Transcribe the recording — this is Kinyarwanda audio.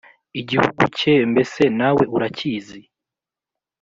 igihugu cye mbese nawe urakizi